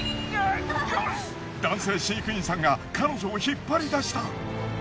男性飼育員さんが彼女を引っ張り出した。